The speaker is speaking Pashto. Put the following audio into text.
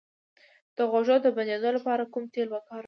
د غوږ د بندیدو لپاره کوم تېل وکاروم؟